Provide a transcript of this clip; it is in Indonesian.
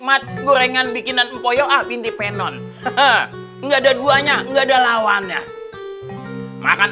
mati gorengan bikinan empoyo ah bindi penon enggak ada duanya enggak ada lawannya makan